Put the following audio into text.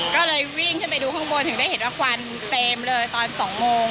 ก็เลยวิ่งขึ้นไปดูข้างบนถึงได้เห็นว่าควันเต็มเลยตอน๒โมง